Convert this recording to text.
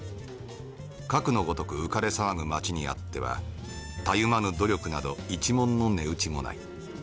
かくのごとく浮かれ騒ぐ街にあってはたゆまぬ努力など一文の値打ちもない。